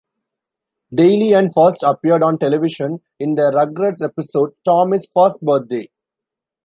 Daily and first appeared on television in the "Rugrats" episode "Tommy's First Birthday".